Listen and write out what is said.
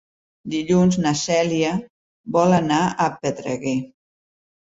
Dilluns na Cèlia vol anar a Pedreguer.